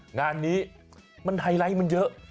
งานนี้มันไฮไลท์มันเยอะ